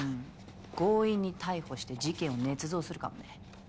強引に逮捕して事件をねつ造するかもね。